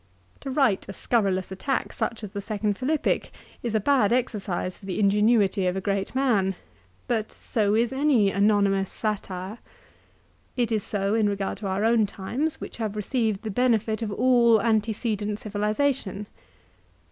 To write a scurrilous attack such as the second Philippic is a bad exercise for the ingenuity of a great man ; but so is any anonymous satire. It is so in regard to our own times, which have received the benefit of all antecedent civilisation.